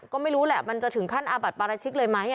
ก็ไม่รู้แหละมันจะถึงขั้นอาบัติปราชิกเลยไหม